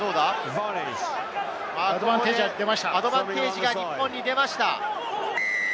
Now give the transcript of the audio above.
アドバンテージが出ました。